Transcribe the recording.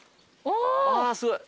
あすごい。